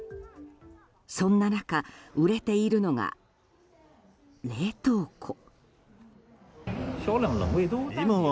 そんな中、売れているのが冷凍庫。